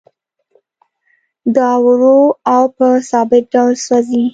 دا ورو او په ثابت ډول سوځي